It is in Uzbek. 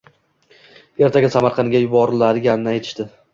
Ertaga Samarqandga yuborilajagini aytishdi.